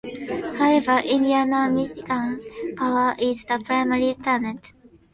However, Indiana Michigan Power is the primary tenant.